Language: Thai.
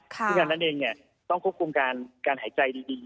ซึ่งอันนั้นเองต้องควบคุมการหายใจดี